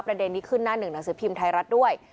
ประเด็นนี้ขึ้นหน้าหนึ่งหนังสือพิมพ์ไทยรัฐด้วย